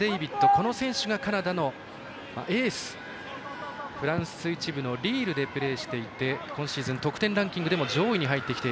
この選手がカナダのエースフランス１部のリールでプレーしていて今シーズン得点ランキングも上位。